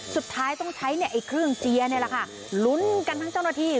สุดท้ายต้องใช้เนี่ยไอ้เครื่องเจียร์นี่แหละค่ะลุ้นกันทั้งเจ้าหน้าที่